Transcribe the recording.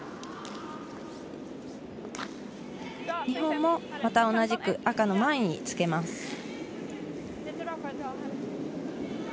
日本もまた同じく赤の前につけます。